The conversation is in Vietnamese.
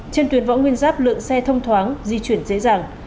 trên tuyến võ nguyên giáp lượng xe thông thoáng di chuyển dễ dàng